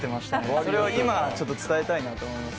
それを今、伝えたいなと思います